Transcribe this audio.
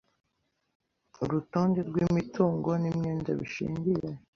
Urutonde rw imitungo n imyenda bishingiye